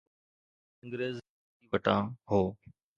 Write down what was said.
جيڪو هڪ انگريز ڊي سي وٽان هو.